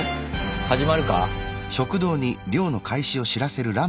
始まるか？